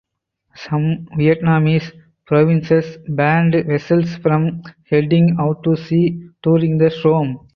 Some Vietnamese provinces banned vessels from heading out to sea during the storm.